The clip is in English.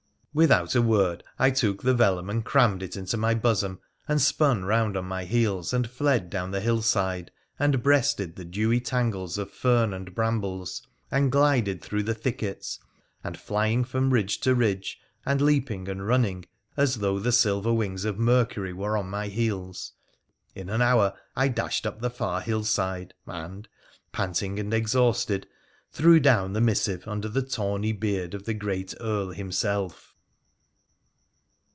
' Without a word I took the vellum and crammed it into my bosom and spun round on my heels and fled down the hillside! PHRA THE PHCEXICIAN 71 and breasted the dewy tangles of fern and brambles, and glided through the thickets, and flying from ridge to ridge, and leaping and running as though the silver wings of Mercury were on my heels, in an hour I dashed up the far hillside, and, panting and exhausted, threw down the missive under the tawny beard of the great Earl himself.